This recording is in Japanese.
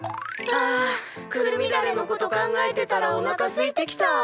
あくるみだれのこと考えてたらおなかすいてきた。